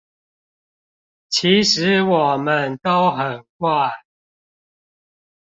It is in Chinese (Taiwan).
其實我們都很怪